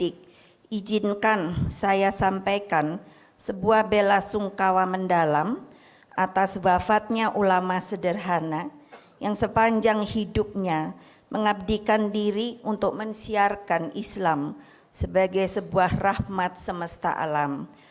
baik izinkan saya sampaikan sebuah bela sungkawa mendalam atas wafatnya ulama sederhana yang sepanjang hidupnya mengabdikan diri untuk mensiarkan islam sebagai sebuah rahmat semesta alam